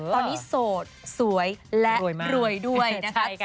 ตอนนี้โสดสวยและรวยด้วยนะคะ